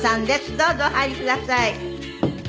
どうぞお入りください。